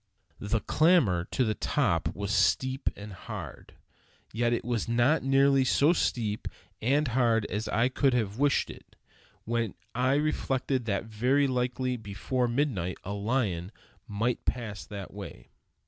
The clamber to the top was steep and hard. Yet it was not nearly so steep and hard as I could have wished it, when I reflected that very likely before midnight a lion might pass that way.